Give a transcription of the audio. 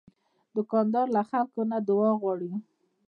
دوکاندار له خلکو نه دعا غواړي.